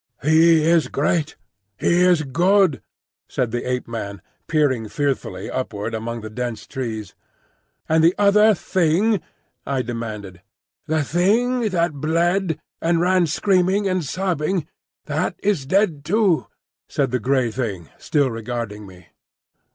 "He is great, he is good," said the Ape man, peering fearfully upward among the dense trees. "And the other Thing?" I demanded. "The Thing that bled, and ran screaming and sobbing,—that is dead too," said the grey Thing, still regarding me.